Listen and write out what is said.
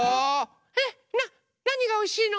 えっなにがおいしいの？